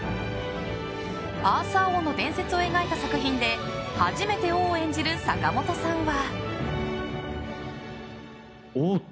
アーサー王の伝説を描いた作品で初めて王を演じる坂本さんは。